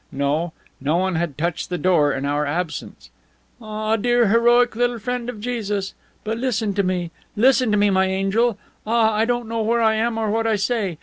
No, no one had touched the door in our absence. "Ah, dear heroic little friend of Jesus! But listen to me. Listen to me, my angel. Ah, I don't know where I am or what I say.